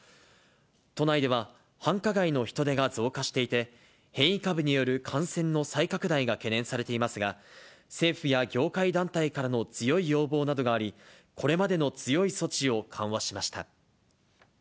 都内では、繁華街の人出が増加していて、変異株による感染の再拡大が懸念されていますが、政府や業界団体からの強い要望などがあり、これまでの強い措置を緩和しました。